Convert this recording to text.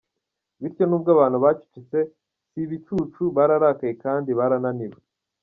Bityo nubwo abantu bacecetse si ibicucu, bararakaye kandi barananiwe!